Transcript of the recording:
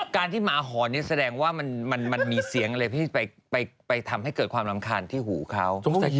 การที่หมาหอนนี่แสดงว่ามันมีเสียงอะไรที่ไปทำให้เกิดความรำคาญที่หูเขา